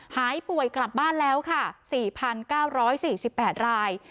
หายป่วยกลับบ้านแล้วค่ะ๔๙๔๘ราย